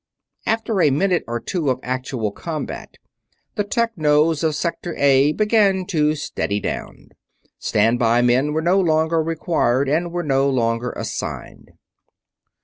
After a minute or two of actual combat the Technos of Sector A began to steady down. Stand by men were no longer required and were no longer assigned.